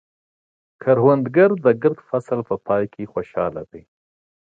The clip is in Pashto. کروندګر د ګرده فصل په پای کې خوشحال دی